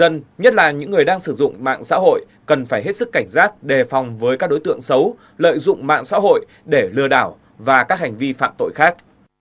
nhất là những người đang sử dụng mạng xã hội cần phải hết sức cảnh giác đề phòng với các đối tượng xấu lợi dụng mạng xã hội để lừa đảo và các hành vi phạm tội khác